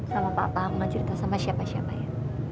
sama papa aku akan cerita sama siapa siapa ya